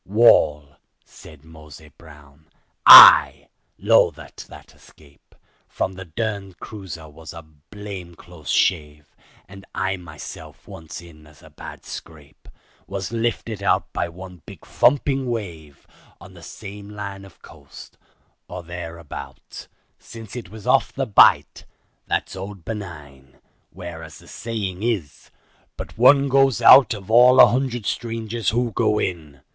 "Wall," said Mose Brown, "I 'low that that escape From the derned cruiser was a blame close shave, And I myself once in as bad a scrape Was lifted out by one big thumping wave On the same line of coast—or thereabout, Since it was off the Bight—that's old Benin— Where as the sayin' is, 'but one goes out Of all a hundred strangers who go in.